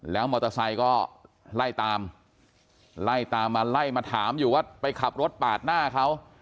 แล้วมอเตอร์ไซค์ก็ไล่ตามไล่ตามมาไล่มาถามอยู่ว่าไปขับรถปาดหน้าเขา